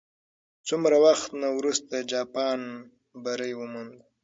څومره وخت وروسته جاپان بری وموند؟